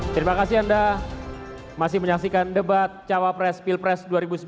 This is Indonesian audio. terima kasih anda masih menyaksikan debat cawapres pilpres dua ribu sembilan belas